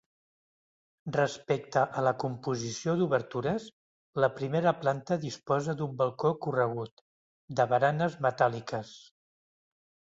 Respecte a la composició d'obertures, la primera planta disposa d'un balcó corregut, de baranes metàl·liques.